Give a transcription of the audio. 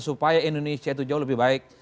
supaya indonesia itu jauh lebih baik